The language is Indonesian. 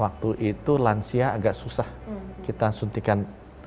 waktu itu lansia agak susah kita suntikan